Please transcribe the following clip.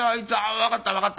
分かった分かった。